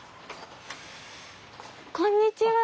こんにちは。